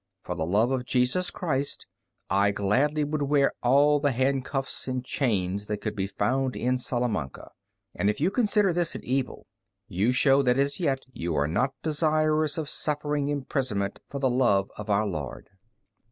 For the love of Jesus Christ, I gladly would wear all the handcuffs and chains that could be found in Salamanca. And if you consider this an evil, you show that as yet you are not desirous of suffering imprisonment for the love of Our Lord."